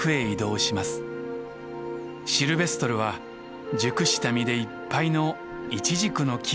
シルベストルは熟した実でいっぱいのイチジクの木を見つけました。